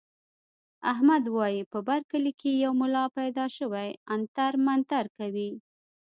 احمد وايي په بر کلي کې یو ملا پیدا شوی عنتر منتر کوي.